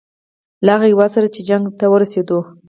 له هغه هیواد سره چې جنګ ته ورسېدو.